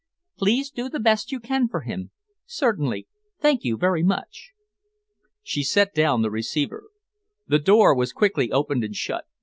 Please do the best you can for him. Certainly. Thank you very much." She set down the receiver. The door was quickly opened and shut.